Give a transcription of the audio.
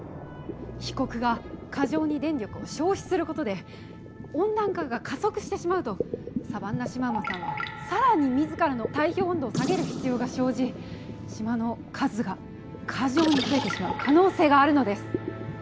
被告が過剰に電力を消費することで温暖化が加速してしまうとサバンナシマウマさんが更に自らの体表温度を下げる必要が生じシマの数が過剰に増えてしまう可能性があるのです。